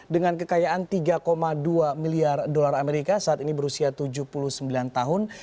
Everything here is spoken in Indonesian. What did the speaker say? dengan kekayaan tiga dua miliar dolar amerika saat ini berusia tujuh puluh sembilan tahun